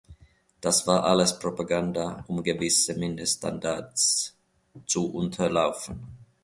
Das war alles Propaganda, um gewisse Mindeststandards zu unterlaufen.